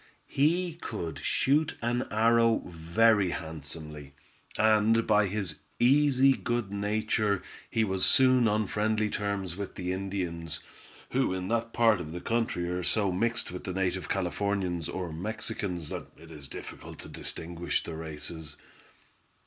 He could shoot an arrow very handsomely, and by his easy good nature he was soon on friendly terms with the Indians, who in that part of the country are so mixed with the native Californians or Mexicans that it is difficult to distinguish the races.